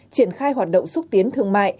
triển khai hoạt động xúc tiến thương mại